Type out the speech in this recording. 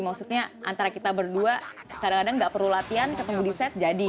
maksudnya antara kita berdua kadang kadang gak perlu latihan ketemu di set jadi